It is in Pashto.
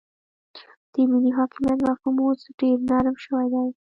د ملي حاکمیت مفهوم اوس ډیر نرم شوی دی